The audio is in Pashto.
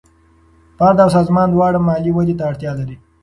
فرد او سازمان دواړه مالي ودې ته اړتیا لري.